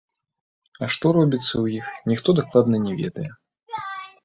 А што робіцца ў іх, ніхто дакладна не ведае.